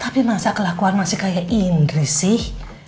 tapi masa kelakuan masih kayak indri sih